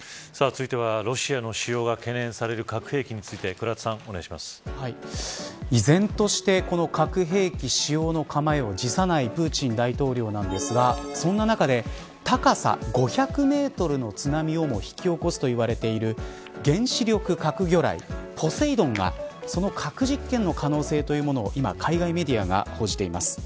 続いてはロシアの核兵器使用が懸念される問題について依然として核兵器使用の構えを辞さないプーチン大統領なんですがそんな中で高さ５００メートルの津波をも引き起こすといわれている原子力核魚雷ポセイドンがその核実験の可能性というものを今海外メディアが報じています。